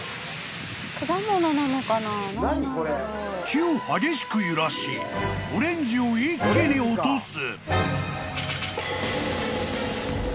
［木を激しく揺らしオレンジを一気に落とす］